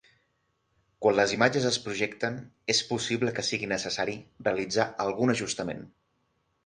Quan les imatges es projecten és possible que sigui necessari realitzar algun ajustament.